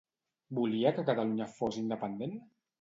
Volia que Catalunya fos independent?